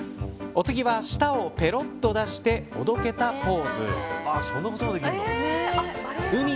お次は、舌をぺろっと出しておどけたポーズ。